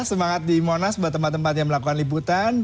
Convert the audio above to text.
semangat di monas buat teman teman yang melakukan liputan